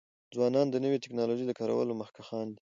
ځوانان د نوی ټکنالوژی د کارولو مخکښان دي.